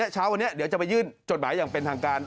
เช้าวันนี้เดี๋ยวจะไปยื่นจดหมายอย่างเป็นทางการ